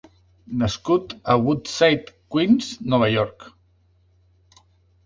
Nascut a Woodside, Queens, Nova York.